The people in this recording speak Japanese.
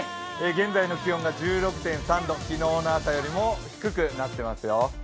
現在の気温が１６．３度、昨日の朝よりも低くなっていますよ。